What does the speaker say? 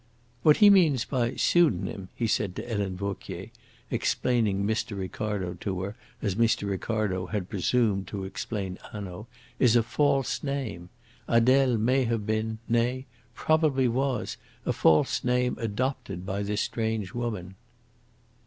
"What he means by pseudonym," he said to Helene Vauquier, explaining Mr. Ricardo to her as Mr. Ricardo had presumed to explain Hanaud, "is a false name. Adele may have been, nay, probably was, a false name adopted by this strange woman."